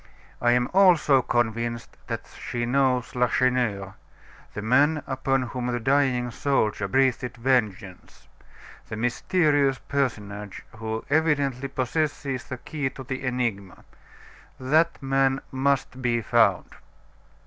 I am also convinced that she knows Lacheneur the man upon whom the dying soldier breathed vengeance the mysterious personage who evidently possesses the key to the enigma. That man must be found."